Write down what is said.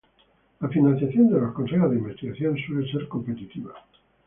La financiación de los consejos de investigación suele ser competitiva.